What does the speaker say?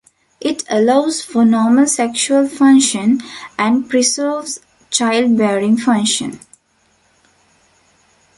It allows for normal sexual function and preserves childbearing function.